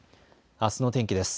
あすの天気です。